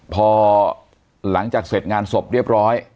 พอหลังจากเสร็จงานศพเรียบร้อย